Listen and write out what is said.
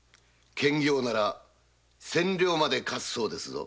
検校なら千両まで貸すそうですぞ。